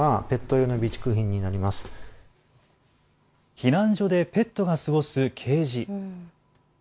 避難所でペットが過ごすケージ。